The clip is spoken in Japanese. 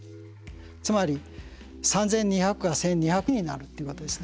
つまり３，２００が１，２００になるってことですね。